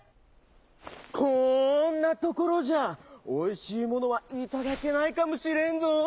こんなところじゃおいしいものはいただけないかもしれんぞ。